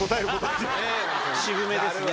渋めですね。